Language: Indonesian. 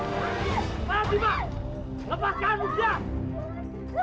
kamu harus beri pelajaran